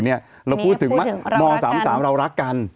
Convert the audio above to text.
นี่พูดถึงเรารักกัน